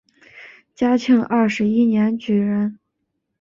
嘉庆二十一年举人。